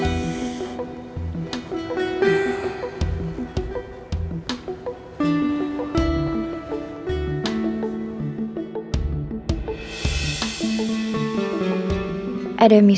selamat tidur guys